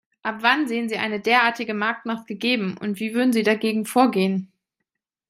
Ab wann sehen Sie eine derartige Marktmacht gegeben, und wie würden Sie dagegen vorgehen?